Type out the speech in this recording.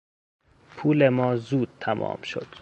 پول ما زود تمام شد.